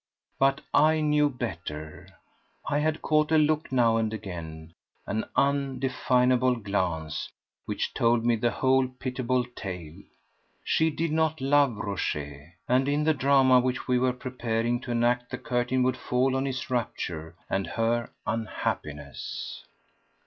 But I knew better. I had caught a look now and again—an undefinable glance, which told me the whole pitiable tale. She did not love Rochez; and in the drama which we were preparing to enact the curtain would fall on his rapture and her unhappiness.